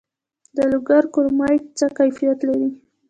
د لوګر کرومایټ څه کیفیت لري؟